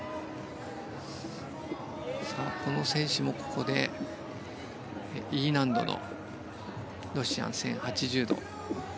この選手も、ここでＥ難度のロシアン１０８０度。